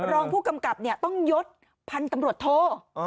รองผู้กำกับต้องยดพันธุ์ตำรวจโท